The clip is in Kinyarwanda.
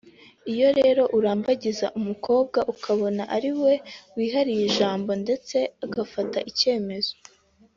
Iyo rero urambagiza umukobwa ukabona ari we wiharira ijambo ndetse agafata ibyemezo